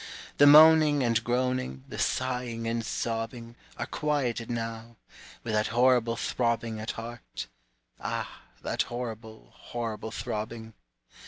The moaning and groaning, The sighing and sobbing, Are quieted now, With that horrible throbbing At heart, ah, that horrible, Horrible throbbing!